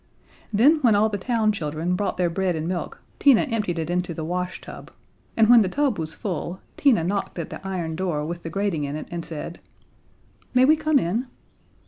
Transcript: Then, when all the town children brought their bread and milk, Tina emptied it into the wash tub, and when the tub was full Tina knocked at the iron door with the grating in it and said: "May we come in?"